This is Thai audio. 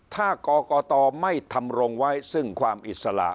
ถ้ากรกตไม่ทำรงไว้ซึ่งความอิสระ